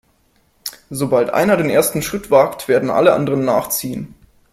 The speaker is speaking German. Sobald einer den ersten Schritt wagt, werden alle anderen nachziehen.